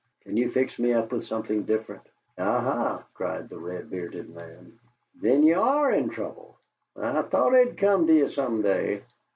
Can you fix me up with something different?" "Aha!" cried the red bearded man. "Then ye ARE in trouble! I thought it 'd come to ye some day!